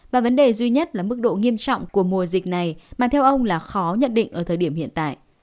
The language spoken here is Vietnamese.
và vấn đề duy nhất là mức độ nghiêm trọng của mùa dịch này mà theo ông là khó nhận định ở thời điểm hiện tại